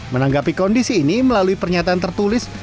menanggapi kondisi ini melalui pernyataan tertulis